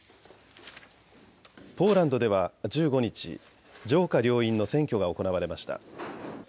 ポーランドでは１５日、上下両院の選挙が行われました。